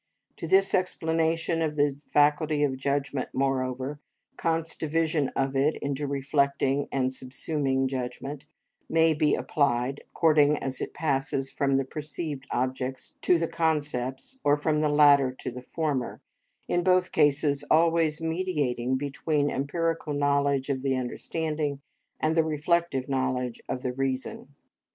To this explanation of the faculty of judgment, moreover, Kant's division of it into reflecting and subsuming judgment may be applied, according as it passes from the perceived objects to the concepts, or from the latter to the former; in both cases always mediating between empirical knowledge of the understanding and the reflective knowledge of the reason.